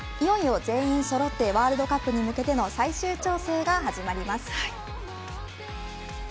全員そろってワールドカップへの最終調整が始まります。